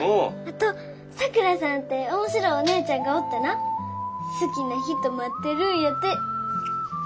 あとさくらさんて面白いおねえちゃんがおってな好きな人待ってるんやて。